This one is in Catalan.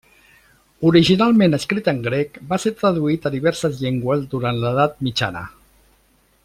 Originalment escrit en grec, va ser traduït a diverses llengües durant l'Edat Mitjana.